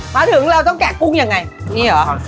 มาถึงเราต้องแกะกุ้งยังไง